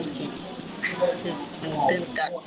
อยากให้สังคมรับรู้ด้วย